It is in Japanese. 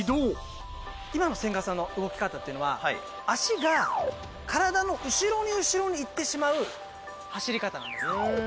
「今の千賀さんの動き方っていうのは足が体の後ろに後ろにいってしまう走り方なんですね」